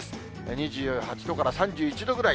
２８度から３１度ぐらい。